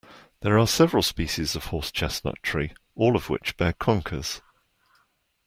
There are several species of horse chestnut tree, all of which bear conkers